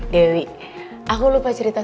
terima kasih bareng guru